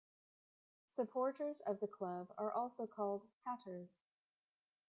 Supporters of the club are also called Hatters.